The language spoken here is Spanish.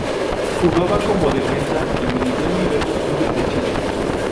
Jugaba como defensa y militó en diversos clubes de Chile.